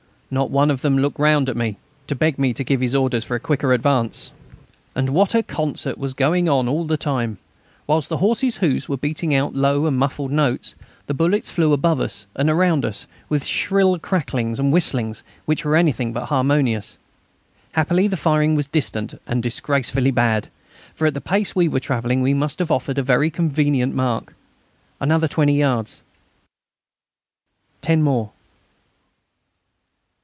Not one of them looked round at me to beg me to give orders for a quicker advance. And what a concert was going on all the time! Whilst the horses' hoofs were beating out low and muffled notes, the bullets flew above us and around us, with shrill cracklings and whistlings which were anything but harmonious. Happily the firing was distant and disgracefully bad, for at the pace we were travelling we must have offered a very convenient mark. Another 20 yards! Ten more!